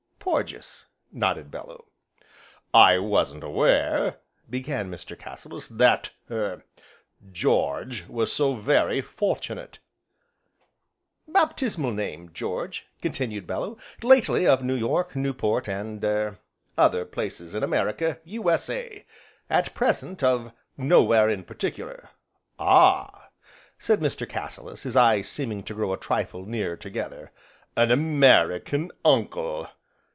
"Porges," nodded Bellew. "I wasn't aware," began Mr. Cassilis, "that er George was so very fortunate " "Baptismal name George," continued Bellew, "lately of New York, Newport, and er other places in America, U.S.A., at present of Nowhere in Particular." "Ah!" said Mr. Cassilis, his eyes seeming to grow a trifle nearer together, "an American Uncle?